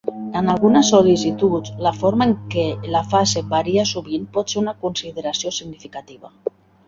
En algunes sol·licituds, la forma en què la fase varia sovint pot ser una consideració significativa.